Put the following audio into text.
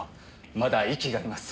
まだ息があります。